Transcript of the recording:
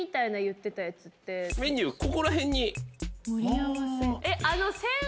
メニューここら辺に。